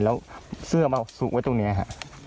แล้วเสื้อมาสุกไว้ตรงนี้ฮะ